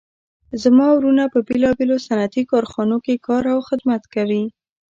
زما وروڼه په بیلابیلو صنعتي کارخانو کې کار او خدمت کوي